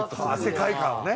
世界観をね。